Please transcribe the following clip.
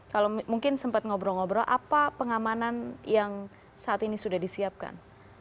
kalau mungkin sempat ngobrol ngobrol apa pengamanan yang saat ini sudah disiapkan